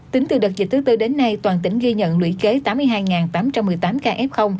tính từ đợt dịch thứ tư đến nay toàn tỉnh ghi nhận lũy kế tám mươi hai tám trăm một mươi tám ca f